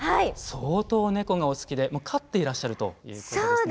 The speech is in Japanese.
相当ネコがお好きでもう飼っていらっしゃるということですね。